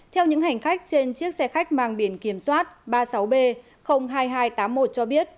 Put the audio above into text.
theo những hành khách trên chiếc xe khách mang biển kiểm soát ba mươi sáu b hai nghìn hai trăm tám mươi một cho biết